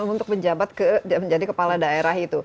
untuk menjabat menjadi kepala daerah itu